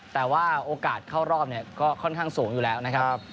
แต่ว่าโอกาสเข้ารอบเนี่ยก็ค่อนข้างสูงอยู่แล้วนะครับ